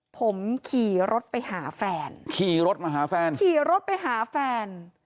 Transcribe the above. ผมขี่รถไปหาแฟนขี่รถไปหาแฟน